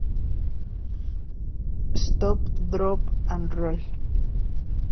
Stop Drop and Roll!!!